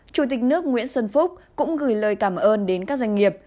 chủ tịch nước nguyễn xuân phúc cũng gửi lời cảm ơn đến các doanh nghiệp